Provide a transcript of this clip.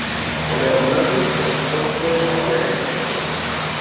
Lernado sen fruktoj ne restas.